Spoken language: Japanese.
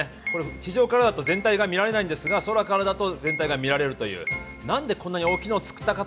地上からだと全体が見られないんですが、空からだと全体が見られるという。